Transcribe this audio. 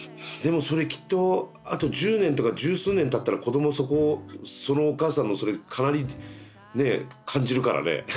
でもそれきっとあと１０年とか十数年たったら子どもそこをそのお母さんのそれかなりね感じるからね。